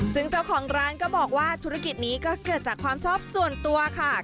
ซึ่งเจ้าของร้านก็บอกว่าธุรกิจนี้ก็เกิดจากความชอบส่วนตัวค่ะ